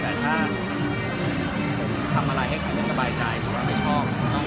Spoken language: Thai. เพียงแม้เคยผู้ชายใจมันมีประโยชน์ให้ผู้ถูกกับทำงาน